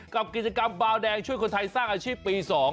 กับกิจกรรมบาวแดงช่วยคนไทยสร้างอาชีพปี๒